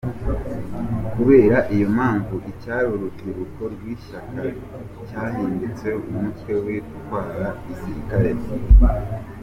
Kubera iyo mpamvu, icyari urubyiruko rw’ishyaka cyahindutse umutwe witwara gisirikare.”